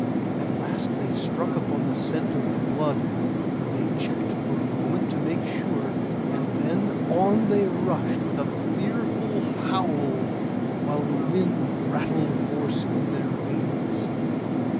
At last they struck upon the scent of the blood, and they checked for a moment to make sure; and then on they rushed with a fearful howl, while the wind rattled hoarse in their wings.